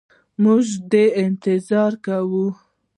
موږ دي انتظار کوو.